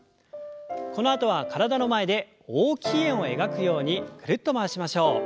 このあとは体の前で大きい円を描くようにぐるっと回しましょう。